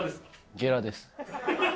ゲラです。